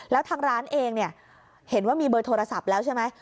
แล้วทางร้านเองเนี่ยเห็นว่ามีเบอร์โทรศัพท์แล้วใช่ไหม